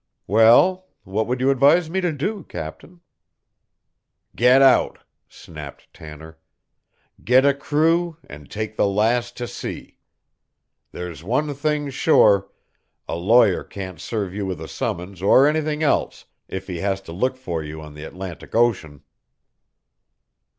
"Well, what would you advise me to do, captain?" "Get out!" snapped Tanner. "Get a crew and take the Lass to sea. There's one thing sure, a lawyer can't serve you with a summons or anything else if he has to look for you on the Atlantic Ocean."